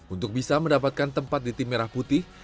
untuk bisa mendapatkan tempat di tim merah putih